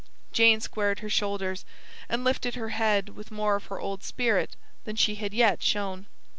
Jane squared her shoulders and lifted her head with more of her old spirit than she had yet shown.